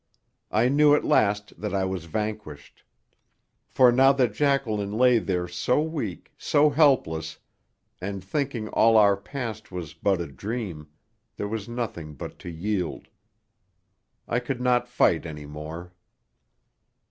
I knew at last that I was vanquished. For, now that Jacqueline lay there so weak, so helpless, and thinking all our past was but a dream, there was nothing but to yield. I could not fight any more.